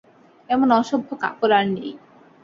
এমন অসভ্য কাপড় আর নেই।